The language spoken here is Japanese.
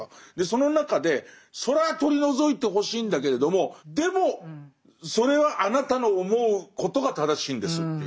その中でそれは取り除いてほしいんだけれどもでもそれはあなたの思うことが正しいんですっていう。